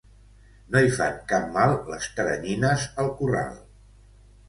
No hi fan cap mal les teranyines al corral.